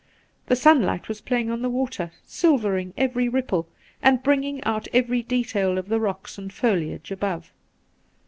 The sunlight was plajdng on the water, silvering every ripple, and bringing out every detail of the rocks and foliage above.